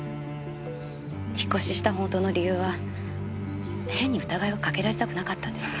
引っ越しした本当の理由は変に疑いをかけられたくなかったんです。